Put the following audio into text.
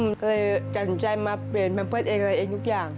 ก็เลยจำใจมาเปลี่ยนแม่เป็นอะไรเองทุกอย่าง